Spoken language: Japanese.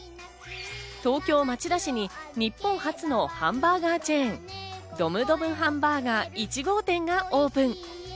東京・町田市に日本初のハンバーガーチェーン、ドムドムハンバーガー１号店がオープン。